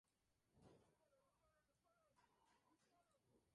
Elegir como argumento un drama de Víctor Hugo tenía desde luego su importancia.